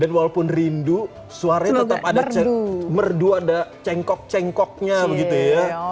dan walaupun rindu suaranya tetap ada cengkok cengkoknya begitu ya